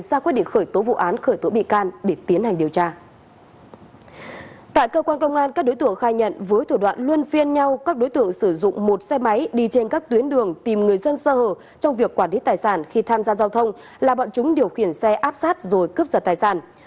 các bạn luôn phiên nhau các đối tượng sử dụng một xe máy đi trên các tuyến đường tìm người dân sơ hở trong việc quản lý tài sản khi tham gia giao thông là bọn chúng điều khiển xe áp sát rồi cướp giật tài sản